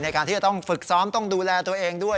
การที่จะต้องฝึกซ้อมต้องดูแลตัวเองด้วย